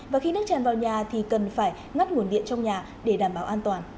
và khi nước tràn vào nhà thì cần phải ngắt nguồn điện trong nhà để đảm bảo an toàn